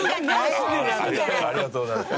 ありがとうございます。